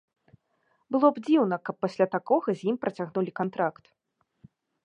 Было б дзіўна, каб пасля такога з ім працягнулі кантракт.